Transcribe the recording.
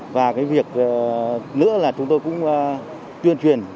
và cái việc nữa là chúng tôi cũng tuyên truyền